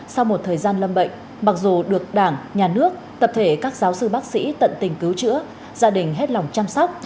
sau một thời gian lâm bệnh mặc dù được đảng nhà nước tập thể các giáo sư bác sĩ tận tình cứu chữa gia đình hết lòng chăm sóc